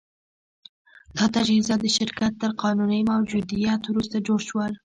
دا تجهیزات د شرکت تر قانوني موجودیت وروسته جوړ شول